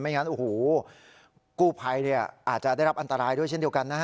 ไม่งั้นอื้อหูคู่ไพเนี่ยอาจจะได้รับอันตรายด้วยเช่นเดียวกันนะฮะ